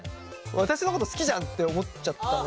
私のこと好きじゃんって思っちゃったね。